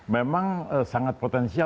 memang sangat potensial